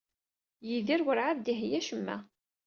Yidir werɛad d-iheyya acemma.